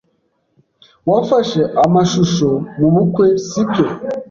Wafashe amashusho mubukwe, sibyo?